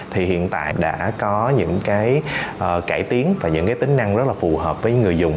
thì hiện tại đã có những cái cải tiến và những cái tính năng rất là phù hợp với người dùng